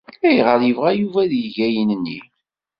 Ayɣer yebɣa Yuba ad yeg ayen-nni?